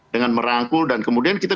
dengan merangkul dan kemudian kita